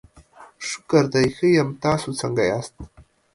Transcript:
شکر دی، ښه یم، تاسو څنګه یاست؟